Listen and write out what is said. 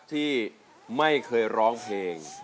ที่ไม่เคยร้องเพลง